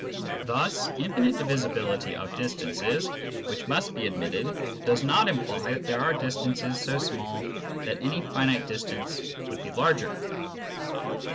Thus infinite divisibility of distances, which must be admitted, does not imply that there are distances so small that any finite distance would be larger.